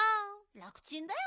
楽ちんだよ。